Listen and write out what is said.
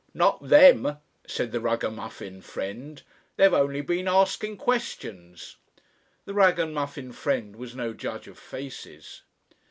"Not them," said the ragamuffin friend, "They've only been askin' questions." The ragamuffin friend was no judge of faces.